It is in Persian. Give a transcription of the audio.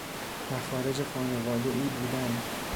مخارج خانواده ای بودن